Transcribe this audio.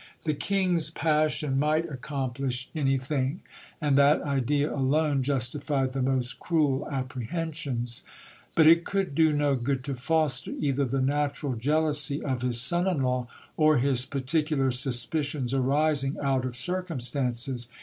The king's passion might accomplish anything ; and that idea alone justified the most cruel apprehensions. But it could do no good to foster either the natural jealousy of his son in law, or his particular suspicions arising out of circum stances.